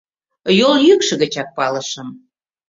Йол йӱкшӧ гычак палышым.